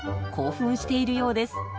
興奮しているようです。